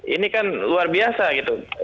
ini kan luar biasa gitu